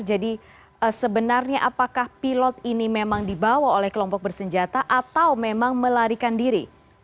jadi sebenarnya apakah pilot ini memang dibawa oleh kelompok bersenjata atau memang melarikan diri